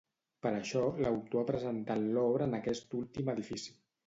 Per això, l'autor ha presentat l'obra en aquest últim edifici.